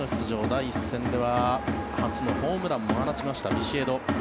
第１戦では初のホームランも放ちましたビシエド。